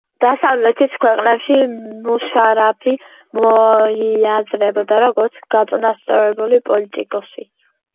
დასავლეთის ქვეყნებში მუშარაფი მოიაზრებოდა, როგორც გაწონასწორებული პოლიტიკოსი.